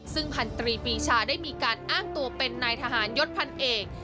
ซึ่งพันตรีปีชาได้มีการอ้างตัวเป็นนายทหารยศพันเอก